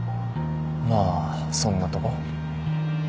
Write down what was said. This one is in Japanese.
まあそんなとこ？